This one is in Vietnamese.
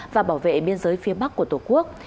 và bảo vệ biên giới phía bắc của tổ quốc